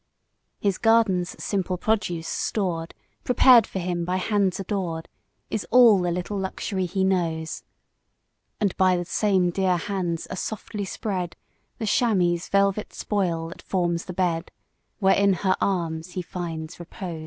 His garden's simple produce stored, Prepared for him by hands adored, Is all the little luxury he knows. And by the same dear hands are softly spread, The Chamois' velvet spoil that forms the bed, Where in her arms he finds repose.